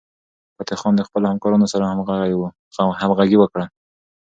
فتح خان د خپلو همکارانو سره همغږي وکړه.